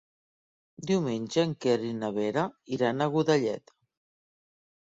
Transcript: Diumenge en Quer i na Vera iran a Godelleta.